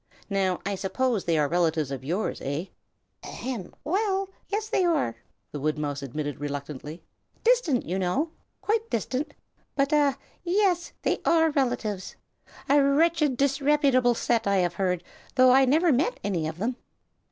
Now, I suppose they are relatives of yours, eh?" "Ahem! well yes," the woodmouse admitted reluctantly. "Distant, you know, quite distant; but a yes, they are relatives. A wretched, disreputable set, I have heard, though I never met any of them."